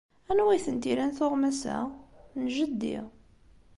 Anwa ay tent-ilan tuɣmas-a? N jeddi.